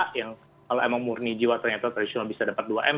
kalau emang murni jiwa ternyata tradisional bisa dapat dua m